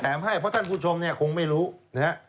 แถมให้เพราะท่านผู้ชมคงไม่รู้นะครับ